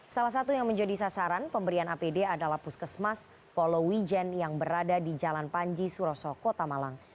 salah satu yang menjadi sasaran pemberian apd adalah puskesmas polowijen yang berada di jalan panji suroso kota malang